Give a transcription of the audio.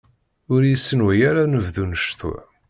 Ur iyi-ssenway ara anebdu d ccetwa!